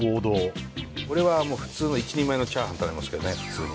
俺は普通の１人前のチャーハン食べますけどね普通に。